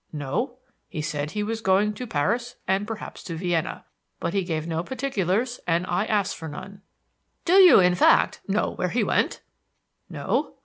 "No. He said he was going to Paris and perhaps to Vienna, but he gave no particulars and I asked for none." "Do you, in fact, know where he went?" "No.